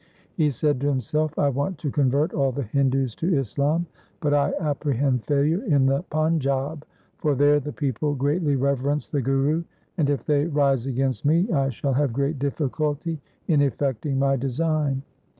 He said to himself, ' I want to convert all the Hindus to Islam, but I apprehend failure in the Panjab, for there the people greatly reverence the Guru, and, if they rise against me, I shall have great difficulty in effecting my design.